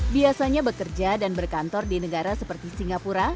biasanya bekerja dan berkantor di negara seperti singapura